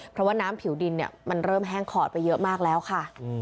เพราะว่าน้ำผิวดินมันเริ่มแห้งขอดไปเยอะมากแล้วค่ะ